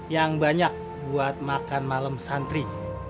yang banyak buat makan malam santri